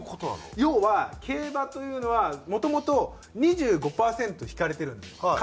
要は競馬というのはもともと２５パーセント引かれてるんです買った段階で。